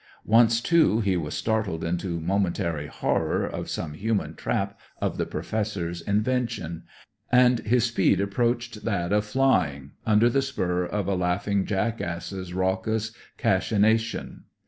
Once, too, he was startled into momentary horror of some human trap of the Professor's invention; and his speed approached that of flying, under the spur of a laughing jackass's raucous cachinnation.